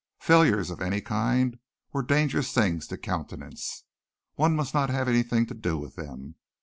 Failures of any kind were dangerous things to countenance. One must not have anything to do with them.